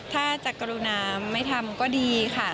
ถ้าจะกรุณาไม่ทำก็ดีค่ะ